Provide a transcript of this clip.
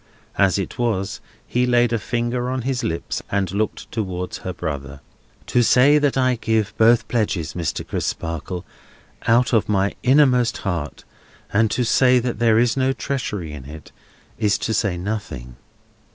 As it was, he laid a finger on his lips, and looked towards her brother. "To say that I give both pledges, Mr. Crisparkle, out of my innermost heart, and to say that there is no treachery in it, is to say nothing!"